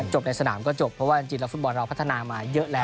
ในสนามก็จบเพราะว่าจริงแล้วฟุตบอลเราพัฒนามาเยอะแล้ว